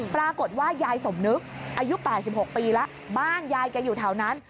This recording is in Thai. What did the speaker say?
ปรากฏว่ายายสมนึกอายุ๘๖ปีแล้วบ้านยายแกอยู่แถวนั้น